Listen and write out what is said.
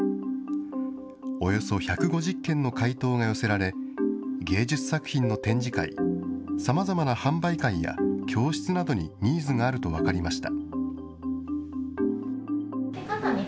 およそ１５０件の回答が寄せられ、芸術作品の展示会、さまざまな販売会や教室などにニーズがあると分かりました。